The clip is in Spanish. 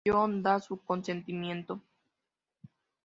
John da su consentimiento.